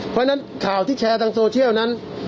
เพราะฉะนั้นข่าวที่แชร์ทางโซเชียลนั้น